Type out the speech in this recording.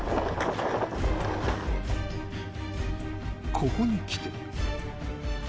ここにきて